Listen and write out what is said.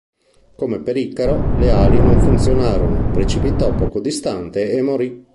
Come per Icaro, le ali non funzionarono, precipitò poco distante e morì.